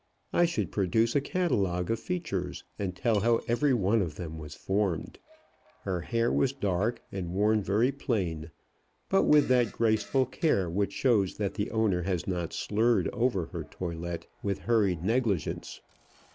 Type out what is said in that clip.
I should produce a catalogue of features, and tell how every one of them was formed. Her hair was dark, and worn very plain, but with that graceful care which shows that the owner has not slurred over her toilet with hurried negligence.